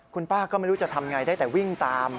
คุณป้าก็ไม่รู้จะทำไงได้แต่วิ่งตาม